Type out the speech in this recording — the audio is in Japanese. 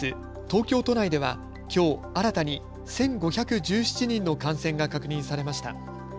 東京都内ではきょう新たに１５１７人の感染が確認されました。